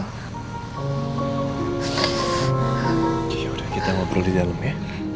oke yaudah kita ngobrol di dalam ya